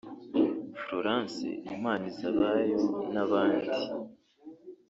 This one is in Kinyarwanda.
Florence Imanizabayo n’abandi